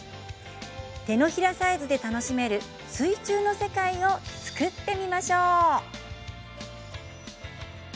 手のひらサイズで楽しめる水中の世界を作ってみましょう。